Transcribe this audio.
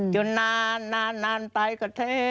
จนนานนานนานไปก็เท